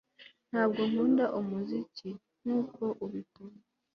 Ntabwo nkunda umuziki nkuko ubikunda